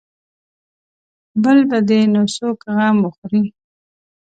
بل به دې نو څوک غم وخوري.